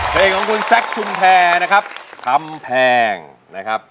เพลงของคุณแซคชุมแพรนะครับคำแพงนะครับ